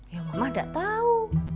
ya mamah enggak tahu